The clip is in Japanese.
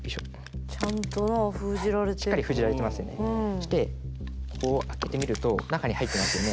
そしてこう開けてみると中に入ってますよね。